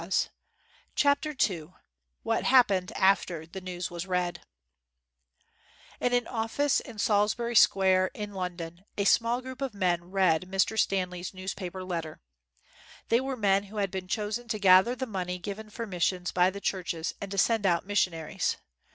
21 CHAPTER II WHAT HAPPENED AFTER THE NEWS WAS READ TN an office in Salisbury Square in Lon ■ don a small group of men read Mr. Stanley's newspaper letter. They were men who had been chosen to gather the money given for missions by the churches and to send out missionaries.